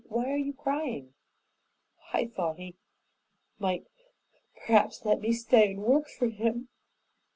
Why are you crying?" "I thought he might p'raps let me stay and work for him."